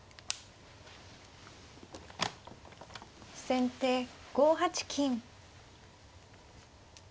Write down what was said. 先手５八金。